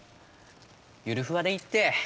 ゆるふわでいいって。